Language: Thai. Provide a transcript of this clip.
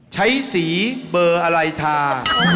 ใช้สีเบอร์อะไรทา